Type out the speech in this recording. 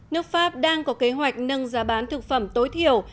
nước pháp đang có kế hoạch nâng giá bán thực phẩm tối thiểu